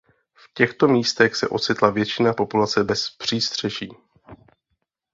V těchto místech se ocitla většina populace bez přístřeší.